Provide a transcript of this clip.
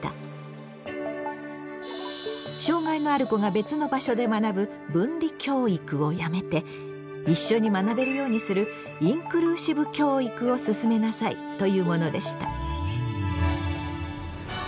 障害のある子が別の場所で学ぶ「分離教育」をやめて一緒に学べるようにする「インクルーシブ教育」を進めなさいというものでした。